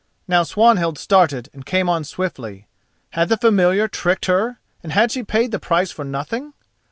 Now Swanhild started and came on swiftly. Had the Familiar tricked her and had she paid the price for nothing?